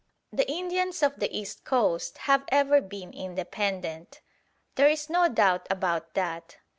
The Indians of the east coast have ever been independent. There is no doubt about that.